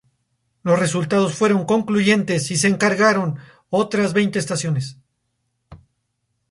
Los resultados fueron concluyentes y se encargaron otras veinte estaciones.